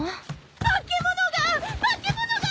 化け物が化け物が！